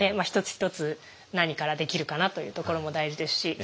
一つ一つ何からできるかなというところも大事ですし。